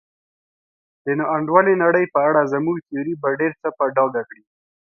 د نا انډولې نړۍ په اړه زموږ تیوري به ډېر څه په ډاګه کړي.